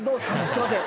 すいません。